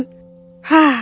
hah kehidupan perusahaan